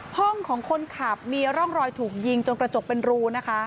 ห้องของคนขับมีร่องรอยถูกยิงจนกระจกเป็นรูนะคะ